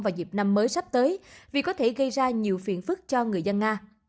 vào dịp năm mới sắp tới vì có thể gây ra nhiều phiền phức cho người dân nga